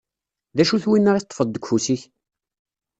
D acu-t winna i teṭṭfeḍ deg ufus-ik?